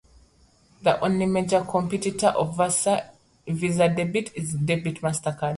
The only major competitor of Visa Debit is the Debit MasterCard.